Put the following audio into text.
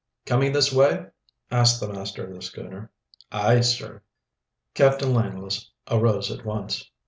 "Coming this way?" asked the master of the schooner. "Aye, sir." Captain Langless arose at once.